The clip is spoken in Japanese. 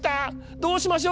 どうしましょう。